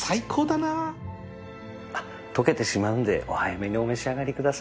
あっ溶けてしまうんでお早めにお召し上がりください。